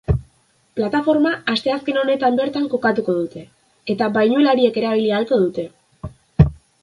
Plataforma asteazken honetan bertan kokatuko dute, eta bainulariek erabili ahalko dute.